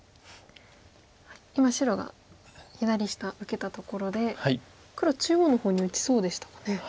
今白が左下受けたところで黒中央の方に打ちそうでしたかね。